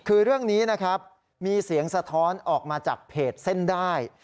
คือเรื่องนี้นะครับมีเสียงสะท้อนออกมาจากเพจเส้นได้